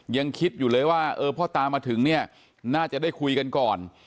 ยังคิดอยู่เลยว่าเออพ่อตามาถึงเนี่ยน่าจะได้คุยกันก่อน